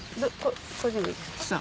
これでもいいですか？